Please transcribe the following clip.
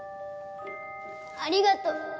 ありがとう